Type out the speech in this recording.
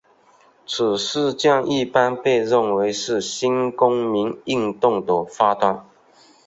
此事件一般被认为是新公民运动的发端。